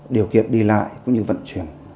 điều kiện đi lại cũng như vận chuyển